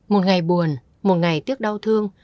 một ngày buồn một ngày tiếc đau thương